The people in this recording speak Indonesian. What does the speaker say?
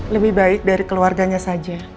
lebih baik dari keluarganya saja